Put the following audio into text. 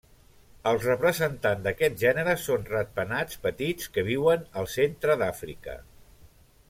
Els representants d'aquest gènere són ratpenats petits que viuen al centre d'Àfrica.